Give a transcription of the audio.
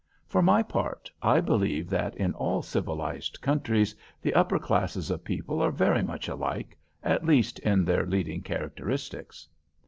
For my part, I believe that in all civilized countries the upper classes of people are very much alike, at least in their leading characteristics."